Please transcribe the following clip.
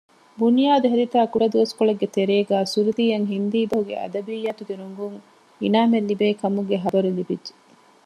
ބުންޔާދު ހެދިތާ ކުޑަދުވަސްކޮޅެއްގެ ތެރޭގައި ސުރުތީއަށް ހިންދީ ބަހުގެ އަދަބިއްޔާތުގެ ރޮނގުން އިނާމެއް ލިބޭ ކަމުގެ ޚަބަރު ލިބިއްޖެ